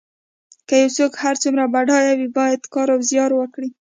که یو څوک هر څومره بډای وي باید کار او زیار وکړي.